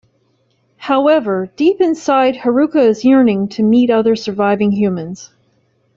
However, deep inside Haruka is yearning to meet other surviving humans.